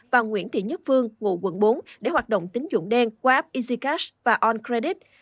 và nguyễn thị nhất phương ngụ quận bốn để hoạt động tín dụng đen qua app easy cash và on credit